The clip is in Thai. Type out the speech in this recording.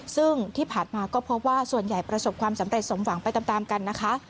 ซึ่งที่ผ่านมาก็พบว่าส่วนใหญ่ประสบความสำเร็จสมหวังไปตามกันนะคะ